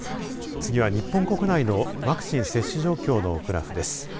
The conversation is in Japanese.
次は日本国内のワクチン接種状況のグラフです。